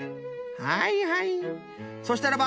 はいはい